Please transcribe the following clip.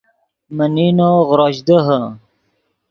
من نینو غروش دیہے